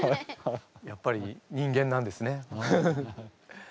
やっぱり人間なんですねフフフ。